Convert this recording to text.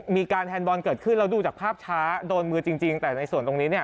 แฮนดบอลเกิดขึ้นแล้วดูจากภาพช้าโดนมือจริงแต่ในส่วนตรงนี้เนี่ย